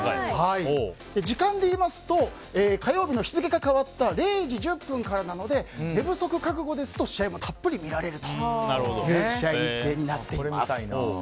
時間でいいますと火曜日の日付が変わった０時１０分からなので寝不足覚悟ですとしっかり見られるという試合日程になっております。